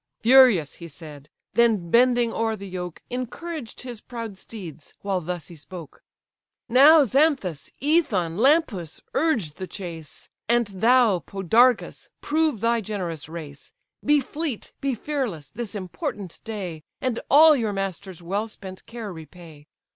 Furious he said; then bending o'er the yoke, Encouraged his proud steeds, while thus he spoke: "Now, Xanthus, Æthon, Lampus, urge the chase, And thou, Podargus! prove thy generous race; Be fleet, be fearless, this important day, And all your master's well spent care repay.